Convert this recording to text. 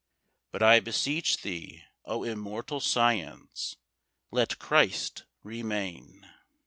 But I beseech thee, O Immortal Science, Let Christ remain.